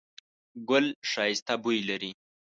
ګل ښایسته بوی لري